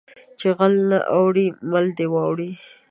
چې غل نه اوړي مال دې واوړي